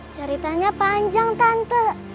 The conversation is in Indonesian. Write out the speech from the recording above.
ceritanya panjang tante